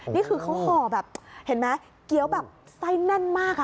นี่คือเขาห่อแบบเห็นไหมเกี้ยวแบบไส้แน่นมาก